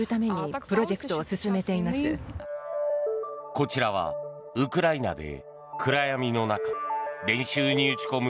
こちらはウクライナで暗闇の中、練習に打ち込む